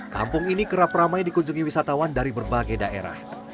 kampung ini kerap ramai dikunjungi wisatawan dari berbagai daerah